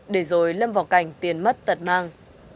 để rồi lâm vào cành tiền mất tật mang